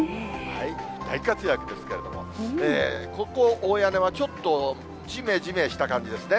大活躍ですけれども、ここ、大屋根はちょっとじめじめした感じですね。